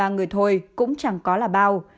hai mươi ba người thôi cũng chẳng có là bao